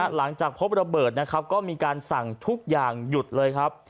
หลังจากพบระเบิดนะครับก็มีการสั่งทุกอย่างหยุดเลยครับ